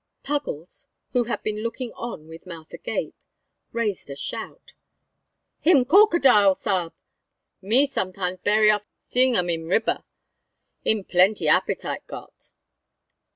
Puggles, who had been looking on with mouth agape, raised a shout. "Him corkadile, sa'b! Me sometimes bery often seeing um in riber. Him plenty appetite got!"